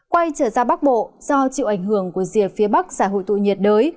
quay trở ra bắc bộ do chịu ảnh hưởng của diệt phía bắc xã hội tụ nhiệt đới